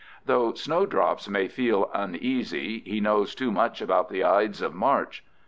Though snowdrops may feel uneasy, he knows too much about the Ides of March!